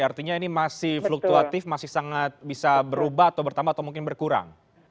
artinya ini masih fluktuatif masih sangat bisa berubah atau bertambah atau mungkin berkurang